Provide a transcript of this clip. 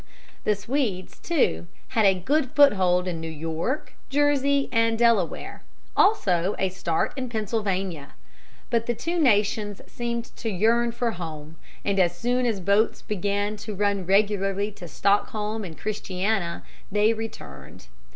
The Swedes, too, had a good foothold in New York, Jersey, and Delaware, also a start in Pennsylvania. But the two nations seemed to yearn for home, and as soon as boats began to run regularly to Stockholm and Christiania, they returned.